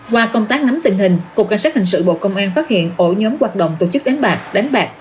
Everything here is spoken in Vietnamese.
qua công tác nắm tình hình cục cảnh sát hình sự bộ công an phát hiện ổ nhóm hoạt động tổ chức đánh bạc đánh bạc